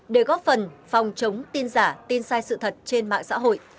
để góp phần phòng chống tin giả tin sai sự thật trên mạng xã hội